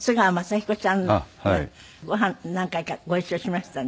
ごはん何回かご一緒しましたね。